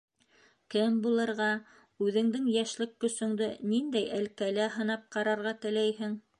Кем булырға, үҙеңдең йәшлек көсөңдө ниндәй әлкәлә һынап ҡарарға теләйһең?